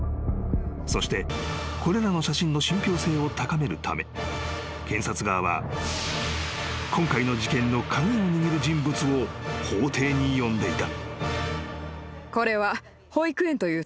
［そしてこれらの写真の信ぴょう性を高めるため検察側は今回の事件の鍵を握る人物を法廷に呼んでいた］